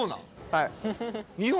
はい。